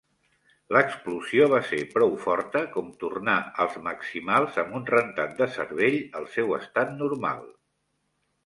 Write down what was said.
L'explosió va ser prou forta com tornar els Maximals amb un rentat de cervell al seu estat normal.